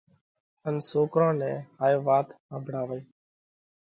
ان سوڪرون نئہ هائي وات ۿمڀۯاوئِي۔